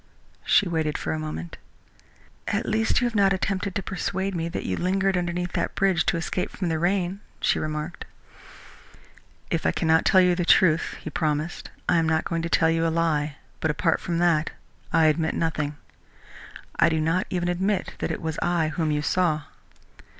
She waited for a moment. "At least you have not attempted to persuade me that you lingered underneath that bridge to escape from the rain," she remarked. "If I cannot tell you the truth," he promised, "I am not going to tell you a lie, but apart from that I admit nothing. I do not even admit that it was I whom you saw."